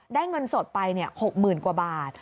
ได้เงินสดไป๖หมื่นกว่าบาท